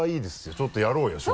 ちょっとやろうよ勝負。